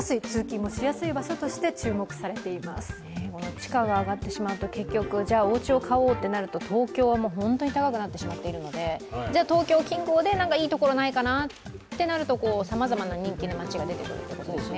地価が上がってしまうと、結局、お家を買おうとなると東京はホントに高くなってしまっているので東京近郊で何かいいところないかとなると、さまざまな人気の町が出てくるということですね。